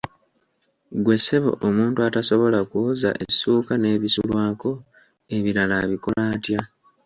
Ggwe ssebo omuntu atasobola kwoza essuuka n'ebisulwako ebirala abikola atya?